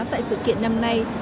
tại sự kiện năm nay